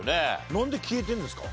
なんで消えてるんですか？